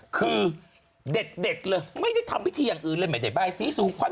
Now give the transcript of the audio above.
คือเด็ดเลยไม่ได้ทำพิธีอย่างอื่นเลยไม่ได้ใบสีสู่ขวัญ